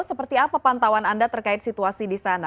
seperti apa pantauan anda terkait situasi di sana